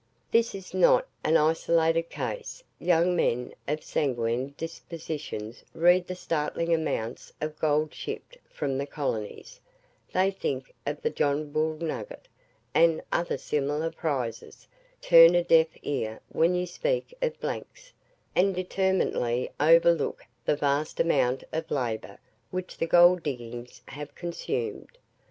This is not an isolated case. Young men of sanguine dispositions read the startling amounts of gold shipped from the colonies, they think of the "John Bull Nugget" and other similar prizes, turn a deaf ear when you speak of blanks, and determinately overlook the vast amount of labour which the gold diggings have consumed.